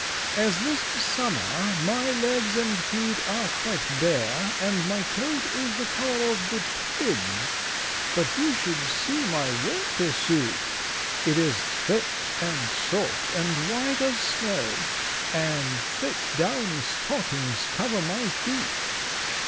As this is summer my legs and feet are quite bare and my coat is the color of the twigs, but you should see my winter suit! It is thick and soft and white as snow, and thick downy stockings cover my feet.